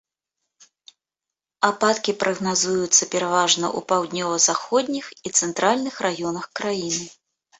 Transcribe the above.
Ападкі прагназуюцца пераважна ў паўднёва-заходніх і цэнтральных раёнах краіны.